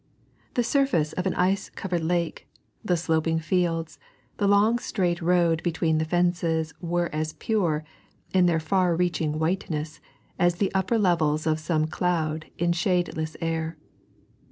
The surface of an ice covered lake, the sloping fields, the long straight road between the fences, were as pure, in their far reaching whiteness, as the upper levels of some cloud in shadeless air.